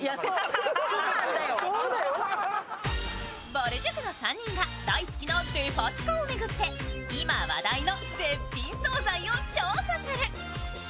ぼる塾の３人が大好きなデパ地下を巡って今話題の絶品惣菜を調査する。